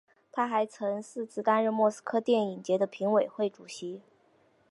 他还曾四次担任莫斯科电影节的评委会主席。